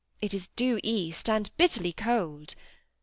It is due east, and bitterly cold."